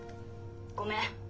ごめん。